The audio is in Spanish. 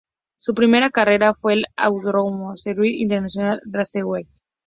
Su primera carrera fue en el autódromo Sebring International Raceway.